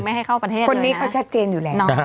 ไม่ให้เข้าประเทศเลยนะคนนี้เขาชัดเจนอยู่แล้วนะฮะ